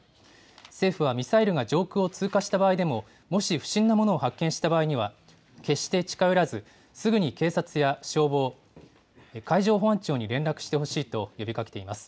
政府はミサイルが上空を通過した場合でも、もし不審なものを発見した場合には、決して近寄らず、すぐに警察や消防、海上保安庁に連絡してほしいと呼びかけています。